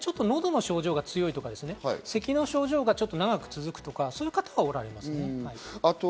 ただ喉の症状が強いとか、咳の症状が長く続くとかそういう方はおられます。